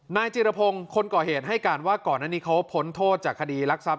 นายจิรพงศ์คนก่อเหตุให้การว่าก่อนอันนี้เขาพ้นโทษจากคดีรักทรัพ